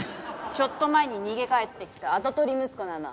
ちょっと前に逃げ帰ってきた跡取り息子なの。